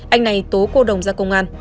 anh này tố cô đồng ra công an